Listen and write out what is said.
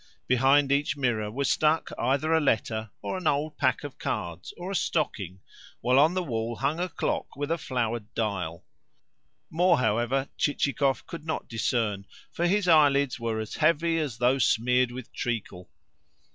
Behind each mirror was stuck either a letter or an old pack of cards or a stocking, while on the wall hung a clock with a flowered dial. More, however, Chichikov could not discern, for his eyelids were as heavy as though smeared with treacle.